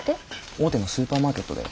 大手のスーパーマーケットだよ。